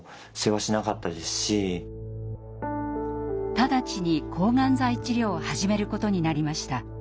直ちに抗がん剤治療を始めることになりました。